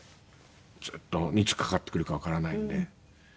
ずっといつかかってくるかわからないので。